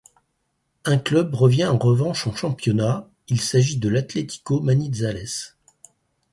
Un club revient en revanche en championnat, il s'agit de l'Atlético Manizales.